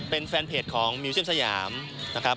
เป็นแฟนเพจของมิวเซียมสยามนะครับ